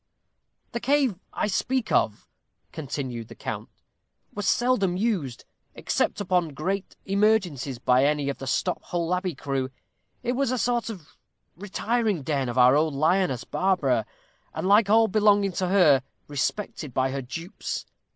"The cave I speak of," continued the count, "was seldom used, except upon great emergencies, by any of the Stop Hole Abbey crew. It was a sort of retiring den of our old lioness Barbara, and, like all belonging to her, respected by her dupes.